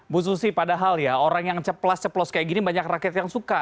bu susi padahal ya orang yang ceplas ceplos kayak gini banyak rakyat yang suka